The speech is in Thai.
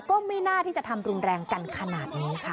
ก็ไม่น่าที่จะทำรุนแรงกันขนาดนี้ค่ะ